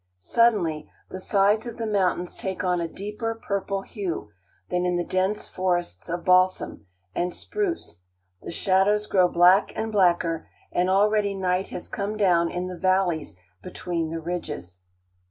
Suddenly the sides of the mountains take on a deeper purple hue, then in the dense forests of balsam and spruce the shadows grow black and blacker, and already night has come down in the valleys between the ridges.